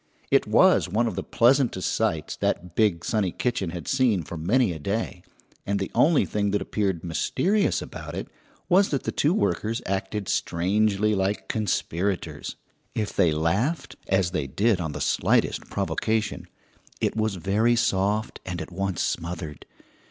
It was one of the pleasantest sights that big, sunny kitchen had seen for many a day, and the only thing that appeared mysterious about it was that the two workers acted strangely like conspirators. If they laughed as they did on the slightest provocation it was very soft and at once smothered.